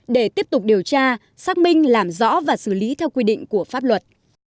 để tiếp tục điều tra xác minh làm rõ và xử lý theo quy định của pháp luật